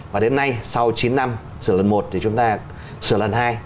và đến nay sau chín năm sửa lần một thì chúng ta sửa lần hai